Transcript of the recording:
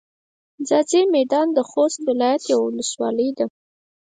ځاځي میدان د خوست ولایت یوه ولسوالي ده.